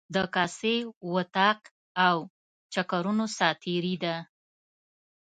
د کاسې، وطاق او چکرونو ساعتیري ده.